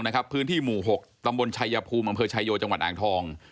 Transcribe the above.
พื้นที่หมู่๖ตำบลชายภูมิอำเภอชายโยจังหวัดอ่างทอง